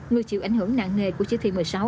người chịu ảnh hưởng nạn nghề của chế thi một mươi sáu